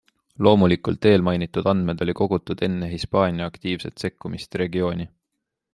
Loomulikult eelmainitud andmed olid kogutud enne Hispaania aktiivset sekkumist regiooni.